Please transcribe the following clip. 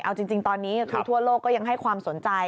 เอาจริงตอนนี้คือทั่วโลกก็ยังให้ความสนใจ